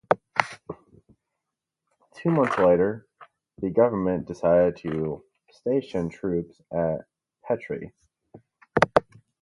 Two months later, the government decided to station troops at Petre.